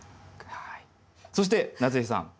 そして夏井さん